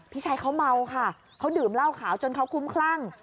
พี่ชายเขาเมาค่ะเขาดื่มเหล้าขาวจนเขาคุ้มคลั่ง